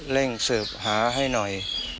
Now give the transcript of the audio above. เร่งสืบหาให้หน่อย